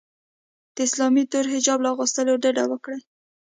د اسلامي تور حجاب له اغوستلو ډډه وکړي